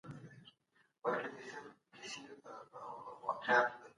هغه علم چي د خلګو سياسي آندونه څېړي سياستپوهنه نوميږي.